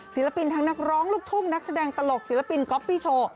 ศิลปินทั้งนักร้องลูกทุ่งนักแสดงตลกศิลปินก๊อฟฟี่โชว์